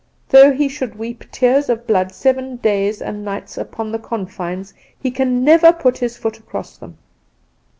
Though he should weep tears of blood seven days and nights upon the confines, he can never put his foot across them.